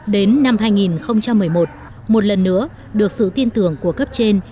đến năm hai nghìn một mươi một một lần nữa được sự tin tưởng của cấp trên